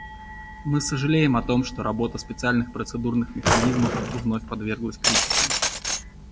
Мы сожалеем о том, что работа специальных процедурных механизмов вновь подверглась критике.